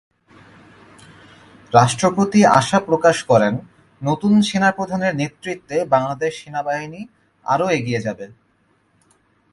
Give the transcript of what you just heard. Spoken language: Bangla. রাষ্ট্রপতি আশা প্রকাশ করেন, নতুন সেনাপ্রধানের নেতৃত্বে বাংলাদেশ সেনাবাহিনী আরও এগিয়ে যাবে।